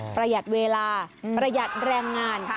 ประหยัดเวลาประหยัดแรงงาน